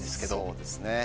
そうですね。